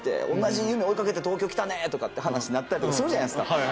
同じ夢追い掛けて東京来たね」とかって話なったりとかするじゃないですか。